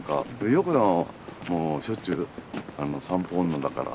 陽子さんはもうしょっちゅう散歩女だから。